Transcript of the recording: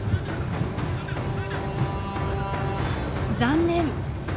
残念。